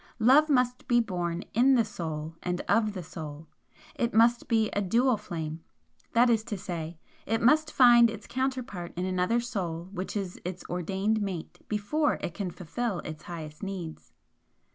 Love must be born IN the Soul and OF the Soul. It must be a dual flame, that is to say, it must find its counterpart in another Soul which is its ordained mate, before it can fulfil its highest needs.